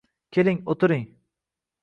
Keling o’tiring…